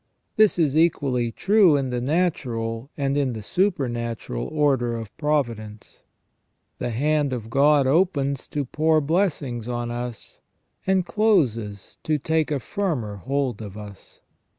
This is equally true in the natural and in the supernatural order of provi dence. The hand of God opens to pour blessings on us, and closes to take a firmer hold of us.